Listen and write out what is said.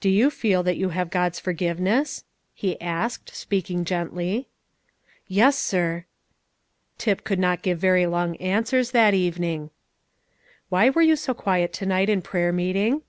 "Do you feel that you have God's forgiveness?" he asked, speaking gently. "Yes, sir." Tip could not give very long answers that evening. "Why were you so quiet to night in prayer meeting?"